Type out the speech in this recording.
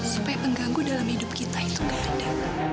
supaya pengganggu dalam hidup kita itu gak ada